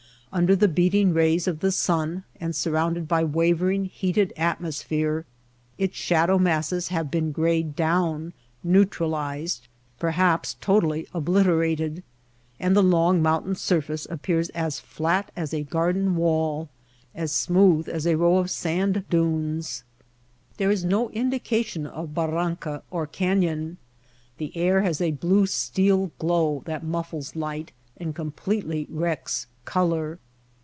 Under the beating rays of the sun and surrounded by wavering heated atmosphere its shadow masses have been grayed down, neutralized, perhaps totally oblit erated ; and the long mountain surface appears as flat as a garden wall, as smooth as a row of sand dunes. There is no indication of bar ranca or canyon. The air has a blue steel glow that muffles light and completely wrecks color.